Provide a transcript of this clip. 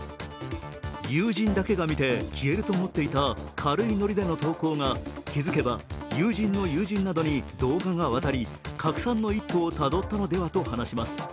友人だけが見て、消えると思っていた軽いノリでの投稿が気付けば友人の友人などに動画が渡り拡散の一途をたどったのではといいます。